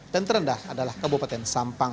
dan terendah adalah kabupaten sampang